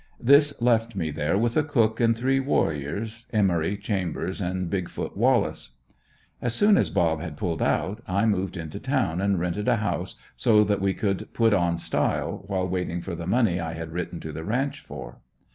This left me there with a cook and three warriors, Emory, Chambers and "Big foot" Wallace. Just as soon as "Bob" had pulled out, I moved into town and rented a house, so that we could put on style, while waiting for the money I had written to the ranch for.